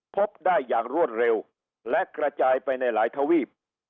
พบได้อย่างรวดเร็วและกระจายไปในหลายทวีป